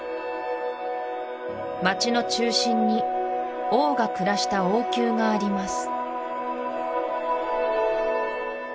街の中心に王が暮らした王宮があります